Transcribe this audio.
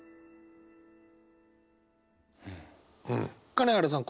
金原さん